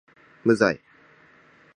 無罪